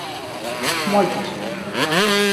Moitas.